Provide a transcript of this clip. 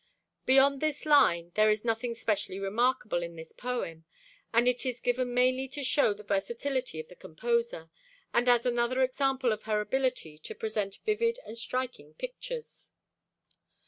Beyond this line there is nothing specially remarkable in this poem, and it is given mainly to show the versatility of the composer, and as another example of her ability to present vivid and striking pictures.